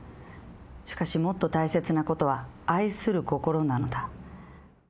「しかしもっと大切なことは愛する心なのだ」